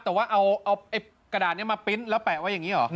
แต่ว่าเอากระดาษนี้มาปริ้นต์แล้วแปะไว้อย่างนี้เหรอ